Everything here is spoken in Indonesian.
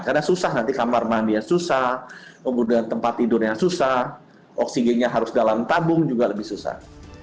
karena susah nanti kamar mandi yang susah kemudian tempat tidurnya yang susah oksigenya harus dalam tabung juga lebih susah